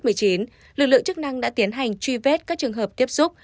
lực lượng chức năng đã tiến hành truy vết các trường hợp tiếp xúc